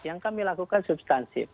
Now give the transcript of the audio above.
yang kami lakukan substansif